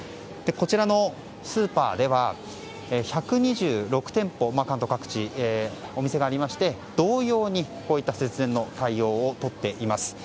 こちらのスーパーでは１２６店舗関東各地お店がありまして同様にこういった節電の対応をとっています。